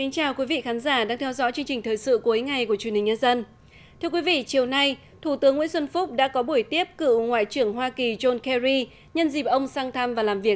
chào mừng quý vị đến với bộ phim hãy nhớ like share và đăng ký kênh của chúng mình nhé